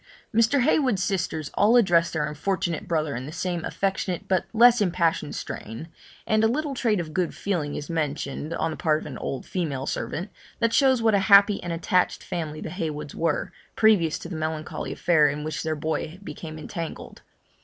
Mr. Heywood's sisters all address their unfortunate brother in the same affectionate, but less impassioned strain; and a little trait of good feeling is mentioned, on the part of an old female servant, that shows what a happy and attached family the Heywoods were, previous to the melancholy affair in which their boy became entangled.